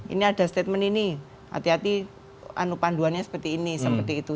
ini ada statement ini hati hati panduannya seperti ini seperti itu